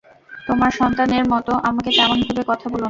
তোমার সন্তানের মতো আমাকে তেমন ভেবে কথা বলো না।